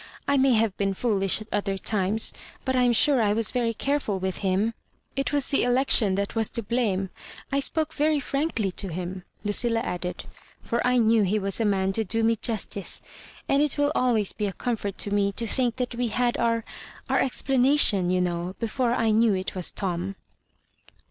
I may have been foolish at other times, but I am sure I was very careful witii him. It was the election that was to blame. I spoke very frankly to him," Lucilla added, " for I knew he was a man to do mc justice ; and it will always be a comfort to me to think that we had our— our explanation, you know, before I knew it was Tom."